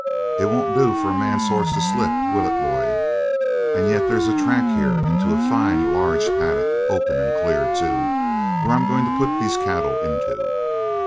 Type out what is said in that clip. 'It won't do for a man's horse to slip, will it, boy? And yet there's a track here into a fine large paddock, open and clear, too, where I'm going to put these cattle into.'